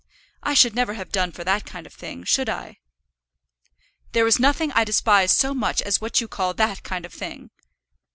I should never have done for that kind of thing; should I?" "There is nothing I despise so much as what you call that kind of thing."